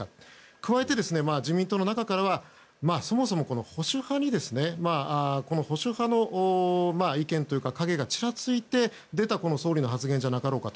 加えて自民党の中からはそもそも保守派の意見というか影がちらついて出た発言じゃなかろうかと。